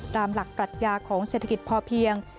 ตามหลักปรัชญาของเศรษฐกิจพอเพียง